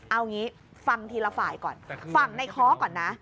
เอางี้ฟังทีละฝ่ายก่อนฟังในค้อก่อนนะ